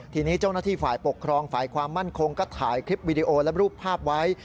ทีนี้เจ้าหน้าที่ฝ่ายปกครองฝ่ายความมั่นคงก็ถ่ายคลิปวิดีโอและรูปภาพไว้